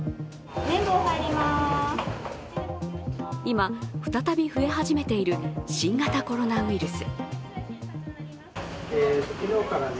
今、再び増え始めている新型コロナウイルス。